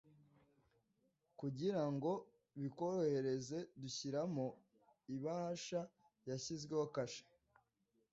Kugirango bikworohereze dushyiramo ibahasha yashyizweho kashe